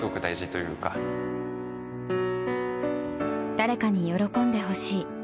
誰かに喜んでほしい。